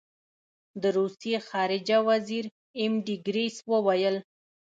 د روسیې خارجه وزیر ایم ډي ګیرس وویل.